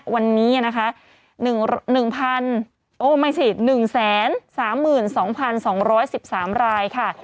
วันนี้นะคะหนึ่งหนึ่งพันโอ้ไม่ใช่หนึ่งแสนสามหมื่นสองพันสองร้อยสิบสามรายค่ะ